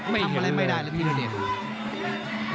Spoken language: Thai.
ไม่เห็นเลยทำอะไรไม่ได้แหละพี่เทอดเดชน์